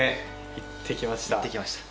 行ってきました